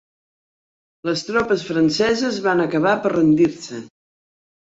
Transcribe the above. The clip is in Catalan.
Les tropes franceses van acabar per rendir-se.